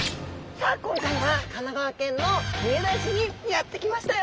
さあ今回は神奈川県の三浦市にやって来ましたよ！